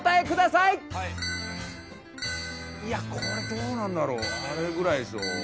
いやこれどうなんだろうあれぐらいでしょ？